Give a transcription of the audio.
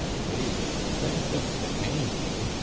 They would have thanked us to hang them.